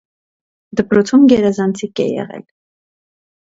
Դպրոցում գերազանցիկ է եղել։